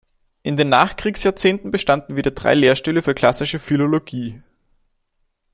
In den Nachkriegsjahrzehnten bestanden wieder drei Lehrstühle für Klassische Philologie.